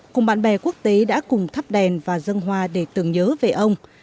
cùng bạn bè quốc tế đã cùng thắp đèn và dân hoa để tưởng nhớ về ông